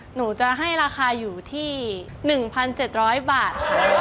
หนูจะให้ราคาอยู่ที่๑๗๐๐บาทค่ะ